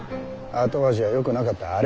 後味はよくなかった。